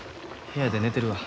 部屋で寝てるわ。